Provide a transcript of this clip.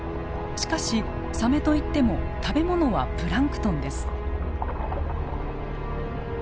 しかしサメといっても食べ物はプランクトンです。